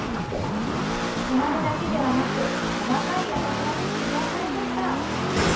泊まるだけじゃなく細かいおもてなしに癒やされました。